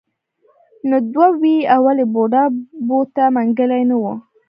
نه دوه وې اولې بوډا بوته منګلی نه و.